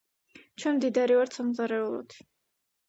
ჩვენ მდიდარი ვართ სამზარეულოთი